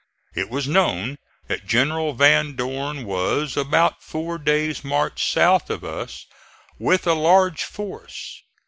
It was known that General Van Dorn was about a four days' march south of us, with a large force.